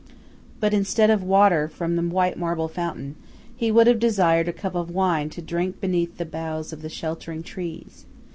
But instead of water from the white marble fountain, he would have desired a cup of wine to drink beneath the boughs of the sheltering trees.